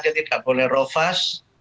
dia tidak boleh rofas